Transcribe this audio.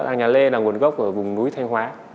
nhà lê là nguồn gốc của vùng núi thanh hóa